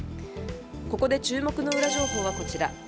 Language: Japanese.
ここで注目のウラ情報はこちら。